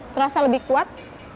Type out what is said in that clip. terasa lebih kuat